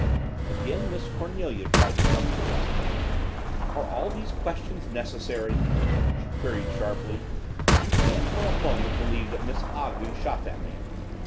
Again Miss Cornelia tried to come to the rescue. "Are all these questions necessary?" she queried sharply. "You can't for a moment believe that Miss Ogden shot that man!"